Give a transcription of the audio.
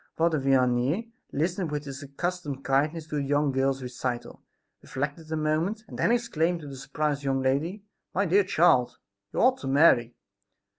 Father Vianney listened with his accustomed kindness to the young girl's recital, reflected a moment and then exclaimed to the surprised young lady: "My dear child, you ought to marry!"